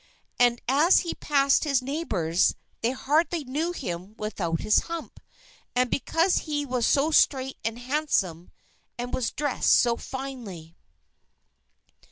And as he passed his neighbours, they hardly knew him without his hump, and because he was so straight and handsome, and was dressed so finely.